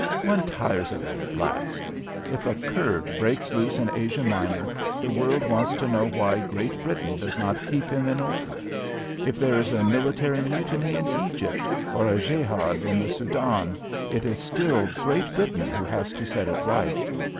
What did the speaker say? One tires of it at last. If a Kurd breaks loose in Asia Minor, the world wants to know why Great Britain does not keep him in order. If there is a military mutiny in Egypt, or a Jehad in the Soudan, it is still Great Britain who has to set it right.